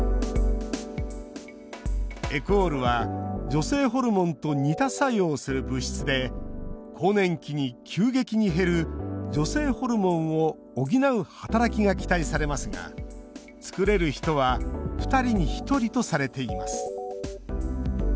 エクオールは女性ホルモンと似た作用をする物質で更年期に急激に減る女性ホルモンを補う働きが期待されますが作れる人は２人に１人とされています